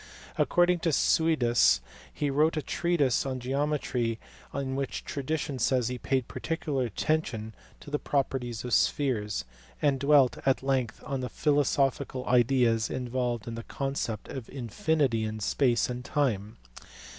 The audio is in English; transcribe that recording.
According to Suidas he wrote a treatise on geometry in which tradition says he paid particular attention to the properties of spheres, and dwelt at length on the philo sophical ideas involved in the conception of infinity in space and time.